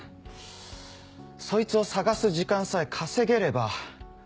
そいつを捜す時間さえ稼げれば。